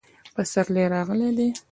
پسرلی راغلی دی